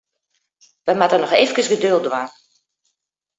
Wy moatte noch eefkes geduld dwaan.